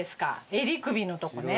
襟首のとこね。